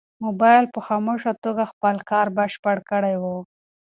موبایل په خاموشه توګه خپل کار بشپړ کړی و.